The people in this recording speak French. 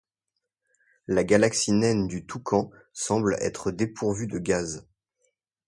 La galaxie naine du Toucan semble être dépourvue de gaz.